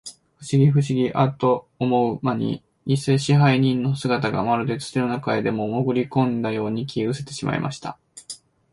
ふしぎ、ふしぎ、アッと思うまに、にせ支配人の姿が、まるで土の中へでも、もぐりこんだように、消えうせてしまいました。